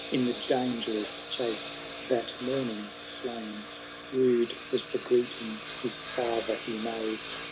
In the dangerous chase that morning slain. Rude was the greeting his father he made.